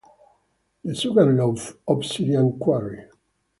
The Sugarloaf Obsidian Quarry.